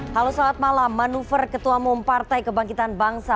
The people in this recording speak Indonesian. halo selamat malam manuver ketua mompartai kebangkitan bangsa